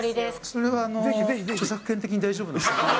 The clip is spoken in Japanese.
それは著作権的に大丈夫です